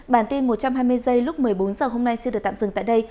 bản tin một trăm hai mươi giây lúc một mươi bốn h hôm nay xin được tạm dừng tại đây